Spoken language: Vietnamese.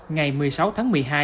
ngày một mươi sáu tháng một mươi hai